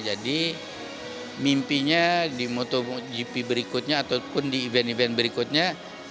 jadi mimpinya di motogp berikutnya ataupun di event event berikutnya